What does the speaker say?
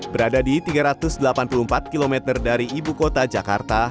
berada di tiga ratus delapan puluh empat km dari ibu kota jakarta